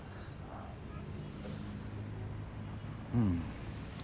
うん。